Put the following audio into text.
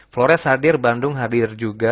flores hadir bandung hadir juga